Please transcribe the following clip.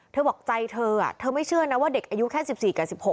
บอกใจเธอเธอไม่เชื่อนะว่าเด็กอายุแค่๑๔กับ๑๖